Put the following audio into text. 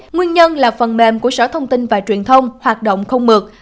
nguyên nhân là phần mềm của sở thông tin và truyền thông hoạt động không mượt